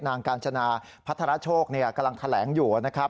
กาญจนาพัทรโชคกำลังแถลงอยู่นะครับ